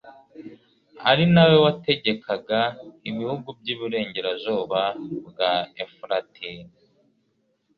ari na we wategekaga ibihugu by'iburengerazuba bwa efurati